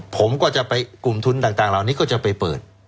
ผมก็จะไปกลุ่มทุนต่างเหล่านี้ก็จะไปเปิด